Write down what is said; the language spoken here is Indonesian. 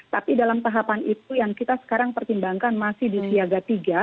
tapi dalam tahapan itu yang kita sekarang pertimbangkan masih di siaga tiga